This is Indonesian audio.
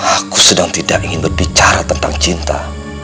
aku sedang tidak ingin berbicara tentang cinta